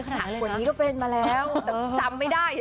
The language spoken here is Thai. คณะนี้ก็เป็นมาแล้วแต่ฉันจำไม่ได้เฉย